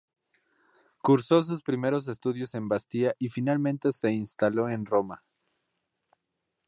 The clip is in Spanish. Cursó sus primeros estudios en Bastia y finalmente se instaló en Roma.